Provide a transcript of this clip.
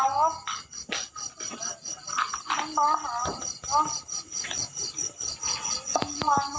ยิง